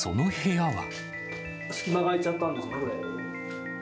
隙間が空いちゃったんですか？